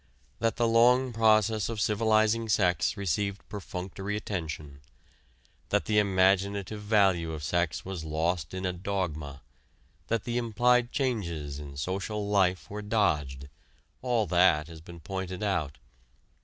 That the long process of civilizing sex received perfunctory attention; that the imaginative value of sex was lost in a dogma; that the implied changes in social life were dodged all that has been pointed out.